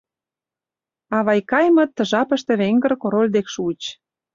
А Вайкаимыт ты жапыште «Венгр король» дек шуыч.